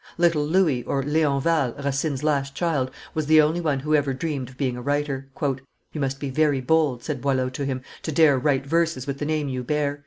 Little Louis, or Lionval, Racine's last child, was the only one who ever dreamt of being a writer. "You must be very bold," said Boileau to him, "to dare write verses with the name you bear!